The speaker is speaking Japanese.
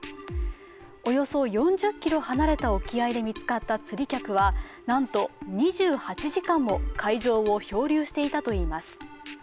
およそ４０ｋｍ離れた沖合で見つかった釣り客はなんと、２８時間も海上を漂流していたといいます。